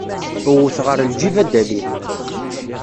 Wwet ɣar lǧib, ad d-alin.